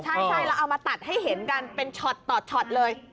ใช่เราเอามาตัดให้เห็นกันเป็นโกรธตลอดเลย